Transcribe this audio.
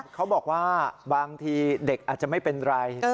เขาบอกว่าบางทีเด็กอาจจะไม่เป็นไร